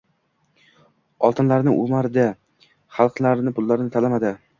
Oltinlarni oʻmarmadi, xalqni pullarini talamadi.